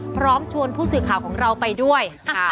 พร้อมชวนผู้สื่อข่าวของเราไปด้วย